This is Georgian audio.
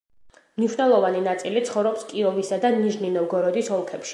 მნიშვნელოვანი ნაწილი ცხოვრობს კიროვისა და ნიჟნი-ნოვგოროდის ოლქებში.